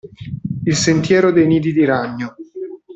Il sentiero dei nidi di ragno.